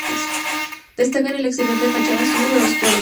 Destaca en el exterior la fachada sur, de dos cuerpos.